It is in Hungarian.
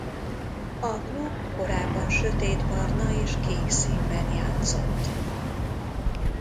A klub korábban sötétbarna és kék színben játszott.